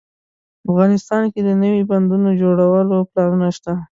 افغانستان کې د نوي بندونو د جوړولو پلانونه شته